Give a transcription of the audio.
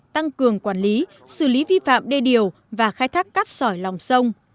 tăng cường quản lý xử lý vi phạm đê điều và khai thác cát sỏi lòng sông